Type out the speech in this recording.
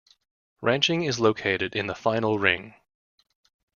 Ranching is located in the final ring.